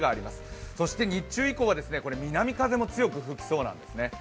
そして日中以降は南風も強く吹きそうなんですね。